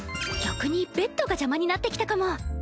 逆にベッドが邪魔になってきたかも。